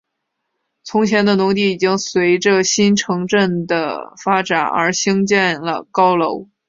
从前的农地已经随着新市镇的发展而兴建了高楼。